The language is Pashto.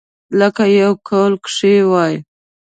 لکه يو قول کښې وائي ۔